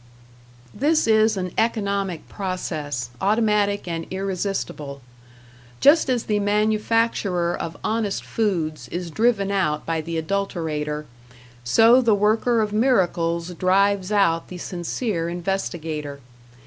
This is an economic process, automatic and irresistible. Just as the manufacturer of honest foods is driven out by the adulterator, so the worker of miracles drives out the sincere investigator.